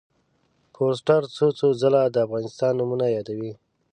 فورسټر څو څو ځله د افغانستان نومونه یادوي.